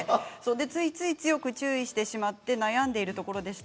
ついつい強く注意してしまって悩んでいるところでした。